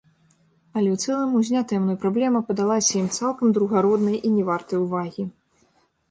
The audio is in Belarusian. Але ў цэлым узнятая мной праблема падалася ім цалкам другараднай і не вартай увагі.